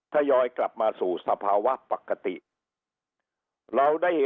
ทยอยกลับมาสู่สภาวะปกติ